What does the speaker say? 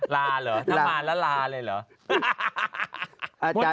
ลาเหรอถ้ามาแล้วลาเลยเหรอ